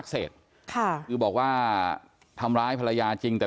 คือในมุมของนายตะวันผู้ตังหาเนี่ย